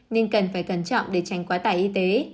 nên cần phải cẩn trọng để tránh quá tải y tế